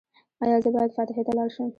ایا زه باید فاتحې ته لاړ شم؟